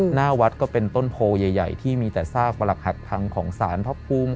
หน้าวัดก็เป็นต้นโพใหญ่ที่มีแต่ซากประหลักหักพังของสารพระภูมิ